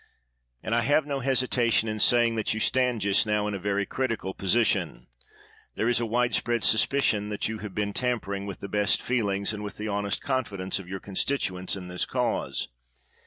And I have no hesitation in saying that you stand just now in a very critical position. There is a wide spread suspicion that you have been tampering with the best feelings and with the honest confidence of your constituents in this cause.